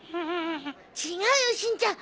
違うよしんちゃん。